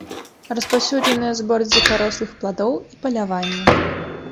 Распаўсюджаныя збор дзікарослых пладоў і паляванне.